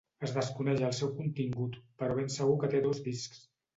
Es desconeix el seu contingut, però ben segur que té dos discs.